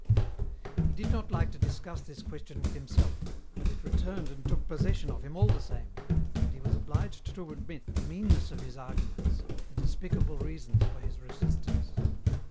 He did not like to discuss this question with himself, but it returned and took possession of him all the same, and he was obliged to admit the meanness of his arguments, the despicable reasons for his resistance.